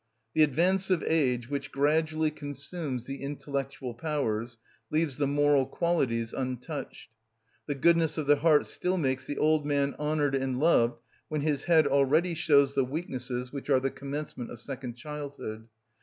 The advance of age, which gradually consumes the intellectual powers, leaves the moral qualities untouched. The goodness of the heart still makes the old man honoured and loved when his head already shows the weaknesses which are the commencement of second childhood.